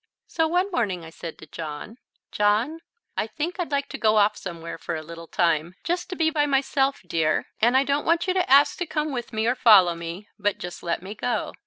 So one morning I said to John, "John, I think I'd like to go off somewhere for a little time, just to be by myself, dear, and I don't want you to ask to come with me or to follow me, but just let me go."